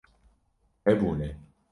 Hebûne